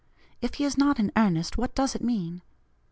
If he is not in earnest, what does it mean?